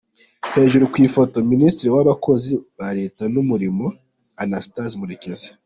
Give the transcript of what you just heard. Hejuru ku ifoto : Minisitiri w’Abakozi ba Leta n’Umurimo Anastase Murekezi.